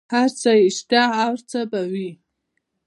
هر څه یې شته او هر څه به وي.